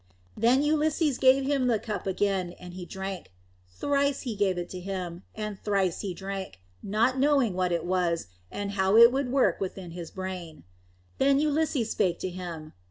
Then Ulysses gave him the cup again, and he drank. Thrice he gave it to him, and thrice he drank, not knowing what it was, and how it would work within his brain. Then Ulysses spake to him.